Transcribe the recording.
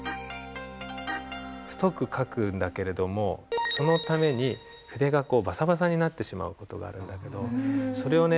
太く書くんだけれどもそのために筆がこうバサバサになってしまう事があるんだけどそれをね